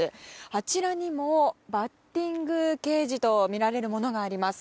あちらにもバッティングケージとみられるものがあります。